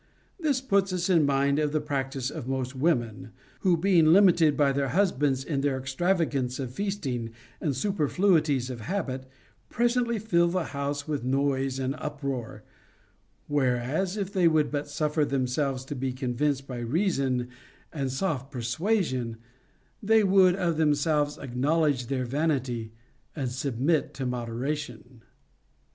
This puts us in mind of the practice of most women, who, being limited by their husbands in their extrava gances of feasting and superfluities of habit, presently fill the house with noise and uproar ; whereas, if they would but suffer themselves to be convinced by reason and soft persuasion, they would of themselves acknowledge their vanity and submit to moderation.